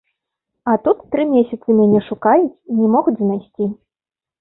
А тут тры месяцы мяне шукаюць і не могуць знайсці.